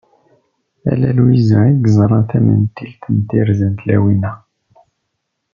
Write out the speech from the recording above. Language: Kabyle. Ala Lwiza i yeẓran tamentilt n tirza n tlawin-a.